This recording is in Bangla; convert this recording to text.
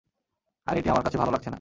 আর এটি আমার কাছে ভালো লাগছেনা।